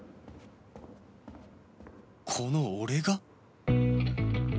この俺が？